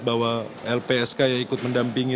bahwa lpsk yang ikut mendampingi